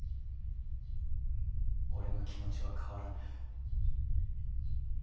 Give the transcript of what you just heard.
俺の気持ちは変わらぬ。